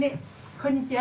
こんにちは！